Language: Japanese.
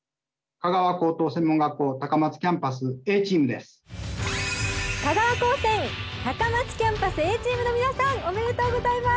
香川高専高松キャンパスＡチームの皆さんおめでとうございます！